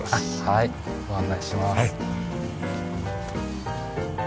はーい。ご案内します。